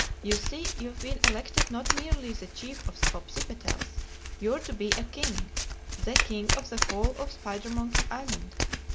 You see you've been elected not merely the Chief of the Popsipetels; you're to be a king—the King of the whole of Spidermonkey Island.